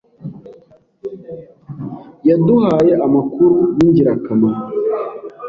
Yaduhaye amakuru yingirakamaro.